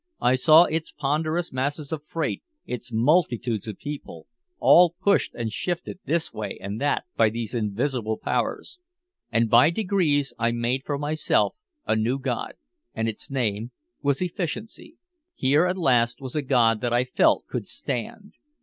I saw its ponderous masses of freight, its multitudes of people, all pushed and shifted this way and that by these invisible powers. And by degrees I made for myself a new god, and its name was Efficiency. Here at last was a god that I felt could stand!